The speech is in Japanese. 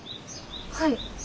はい。